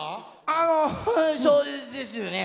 あのそうですよね。